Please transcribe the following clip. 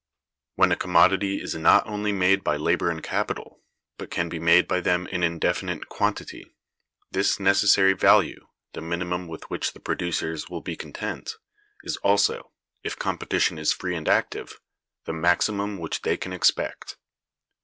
When a commodity is not only made by labor and capital, but can be made by them in indefinite quantity, this Necessary Value, the minimum with which the producers will be content, is also, if competition is free and active, the maximum which they can expect.